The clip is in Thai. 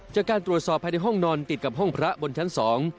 จากการตรวจสอบภายในห้องนอนติดกับห้องพระบนชั้นสอง